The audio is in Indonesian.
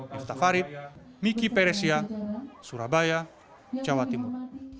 miftah farid miki peresia surabaya jawa timur